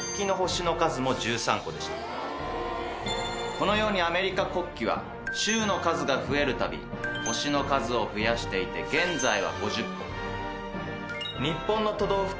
このようにアメリカ国旗は州の数が増えるたび星の数を増やしていて現在は５０個。